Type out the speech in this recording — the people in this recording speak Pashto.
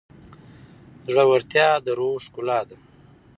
زړورتیا د روح ښکلا ده.